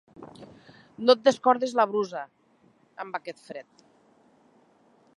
No et descordis la brusa, amb aquest fred.